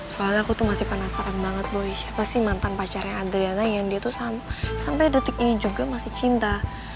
soalnya aku tuh masih penasaran banget bahwa siapa sih mantan pacarnya adriana yang dia tuh sampai detik ini juga masih cinta